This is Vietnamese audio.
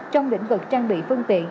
trong lĩnh vực trang bị phương tiện